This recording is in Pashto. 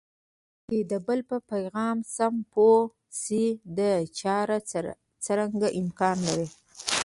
چې د بل په پیغام سم پوه شئ دا چاره څرنګه امکان لري؟